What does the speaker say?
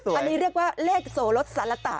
อันนี้เรียกว่าเลขโสลดสารตะ